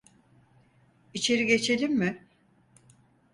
İçeri geçelim mi?